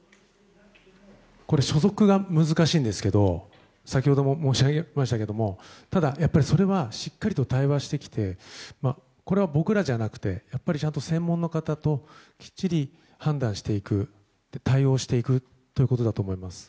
これ、所属は難しいんですけど先ほども申し上げましたがただ、それはしっかりと対話してきてこれは僕らじゃなくて、ちゃんと専門の方ときっちり判断していく対応していくということだと思います。